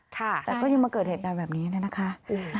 แต่ก็ยังมาเกิดเหตุการณ์แบบนี้เนี่ยนะคะ